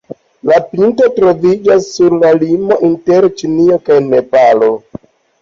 La pinto troviĝas sur la limo inter Ĉinio kaj Nepalo.